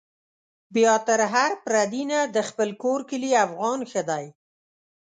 بيا تر هر پردي نه، د خپل کور کلي افغان ښه دی